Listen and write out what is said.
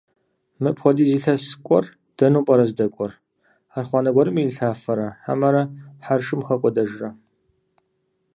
Мыпхуэдиз илъэс кӏуэр дэну пӏэрэ здэкӏуэр? Архъуанэ гуэрым ирилъафэрэ хьэмэрэ хьэршым хэкӏуэдэжрэ?